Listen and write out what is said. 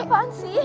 gue apaan sih